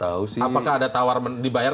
apakah ada tawar dibayar